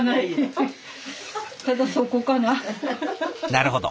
なるほど。